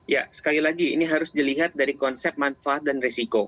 ya sekali lagi ini harus dilihat dari konsep manfaat dan resiko